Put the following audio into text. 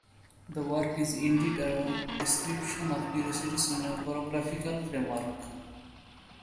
The work is indeed a description of curiosities in a chorographical framework.